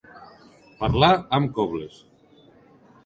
Parlar amb cobles.